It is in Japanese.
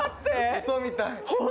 ウソみたい。